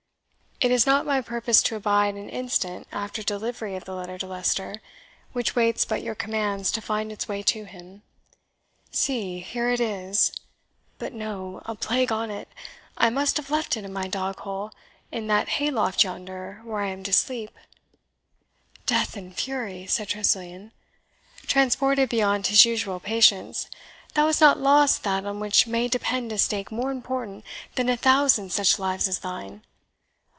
It is not my purpose to abide an instant after delivery of the letter to Leicester, which waits but your commands to find its way to him. See, here it is but no a plague on it I must have left it in my dog hole, in the hay loft yonder, where I am to sleep." "Death and fury!" said Tressilian, transported beyond his usual patience; "thou hast not lost that on which may depend a stake more important than a thousand such lives as thine?"